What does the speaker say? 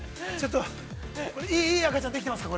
◆いい赤ちゃん、できてますか。